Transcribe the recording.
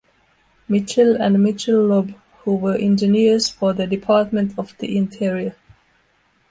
Mitchell and Mitchell Lobb, who were engineers for the Department of the Interior.